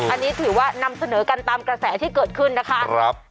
อันนี้ถือว่านำเสนอกันตามกระแสที่เกิดขึ้นนะคะ